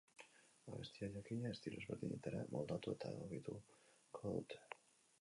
Abestia, jakina, estilo ezberdinetara moldatu eta egokituko dute.